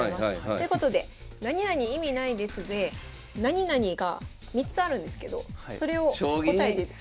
ということで「なになに意味ないです」で「なになに」が３つあるんですけどそれを答えてください。